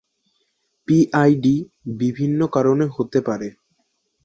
P I D বিভিন্ন কারণে হতে পারে।